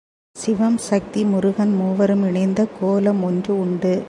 சிவம், சக்தி, முருகன் மூவரும் இணைந்த கோலம் ஒன்று உண்டு.